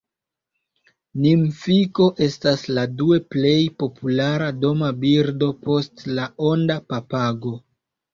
Nimfiko estas la due plej populara doma birdo post la onda papago.